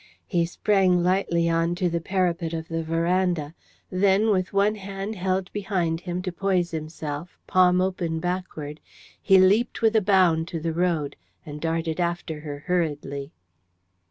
He sprang lightly on to the parapet of the verandah. Then, with one hand held behind him to poise himself, palm open backward, he leapt with a bound to the road, and darted after her hurriedly.